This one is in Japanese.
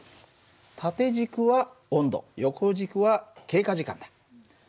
縦軸は温度横軸は経過時間だ。